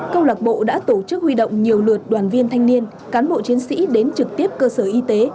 câu lạc bộ đã tổ chức huy động nhiều lượt đoàn viên thanh niên cán bộ chiến sĩ đến trực tiếp cơ sở y tế